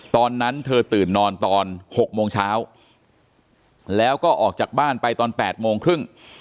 ตอนนั้นเธอตื่นนอนตอน๖โมงเช้าแล้วก็ออกจากบ้านไปตอน๘โมงครึ่ง